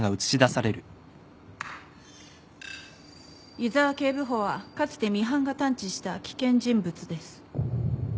井沢警部補はかつてミハンが探知した危険人物です。